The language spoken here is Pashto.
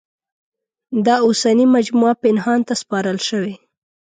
دا اوسنۍ مجموعه پنهان ته سپارل شوې.